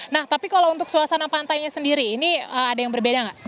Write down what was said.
nah tapi kalau untuk suasana pantainya sendiri ini ada yang berbeda nggak